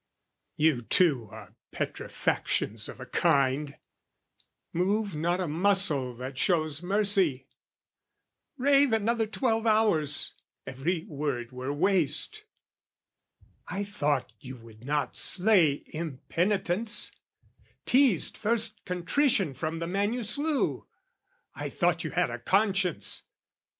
You too are petrifactions of a kind: Move not a muscle that shows mercy; rave Another twelve hours, every word were waste! I thought you would not slay impenitence, Teazed first contrition from the man you slew, I thought you had a conscience.